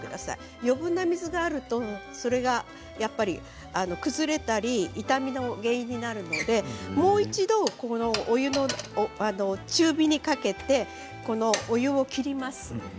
余分な水があるとそれが崩れたり傷みの原因になるのでもう一度、中火にかけてお湯を切ります。